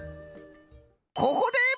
ここで。